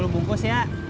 tiga puluh bungkus ya